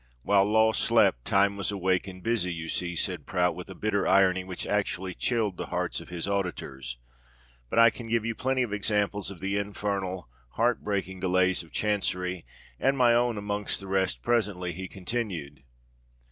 "While Law slept, Time was awake and busy, you see," said Prout, with a bitter irony which actually chilled the hearts of his auditors. "But I can give you plenty of examples of the infernal—heart breaking delays of Chancery—and my own amongst the rest presently," he continued.